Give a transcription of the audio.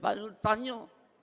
pak nur tanyo